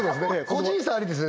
個人差ありですね